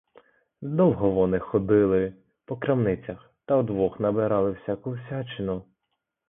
Довго вони ходили по крамницях та вдвох набирали всяку всячину.